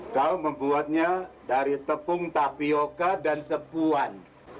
kau membuatnya dari tepung tapioca dan sepuan